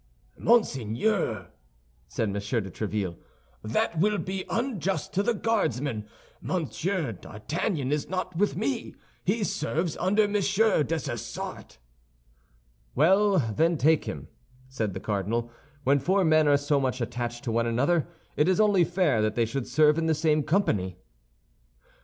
"Monseigneur," said M. de Tréville, "that will be unjust to the Guardsmen. Monsieur d'Artagnan is not with me; he serves under Monsieur Dessessart." "Well, then, take him," said the cardinal; "when four men are so much attached to one another, it is only fair that they should serve in the same company."